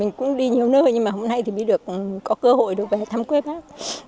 mình cũng đi nhiều nơi nhưng mà hôm nay thì mới có cơ hội được về thăm quê bác